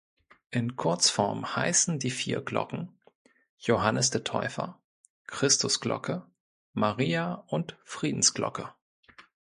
In Kurzform heißen die vier Glocken: Johannes der Täufer, Christusglocke, Maria- und Friedensglocke.